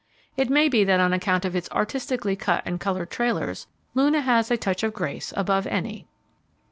It may be that on account of its artistically cut and coloured trailers, Luna has a touch of grace above any.